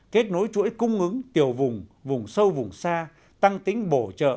kết nối chuỗi cung ứng tiểu vùng vùng sâu vùng xa tăng tính bổ trợ